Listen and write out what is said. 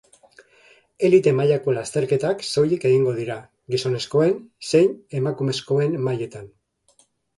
Elite mailako lasterketak soilik egingo dira, gizonezkoen zein emakumezkoen mailetan.